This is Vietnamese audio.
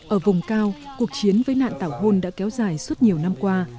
ở vùng cao cuộc chiến với nạn tảo hôn đã kéo dài suốt nhiều năm qua